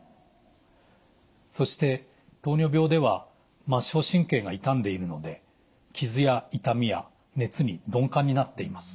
そして糖尿病では末梢神経が傷んでいるので傷や痛みや熱に鈍感になっています。